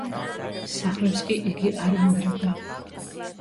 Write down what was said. სახლებს კი იგი არ ანგრევდა.